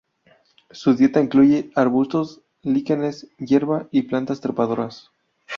Su dieta incluye arbustos, líquenes, hierba y plantas trepadoras.